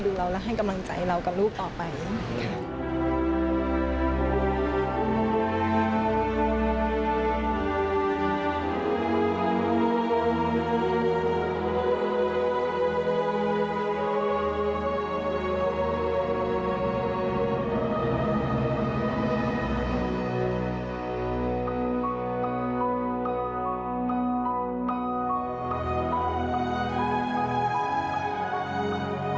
ทุกครับทุกคน